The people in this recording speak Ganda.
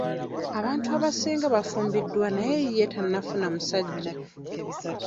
Abantu abasinga bafumbiddwa naye ye tannafuna musajja.